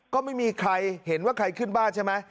ก็ไม่มีใครเห็นว่าใครขึ้นบ้านใช่ไหม